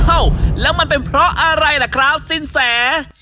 เอ้าแล้วมันเป็นเพราะอะไรล่ะครับสินแส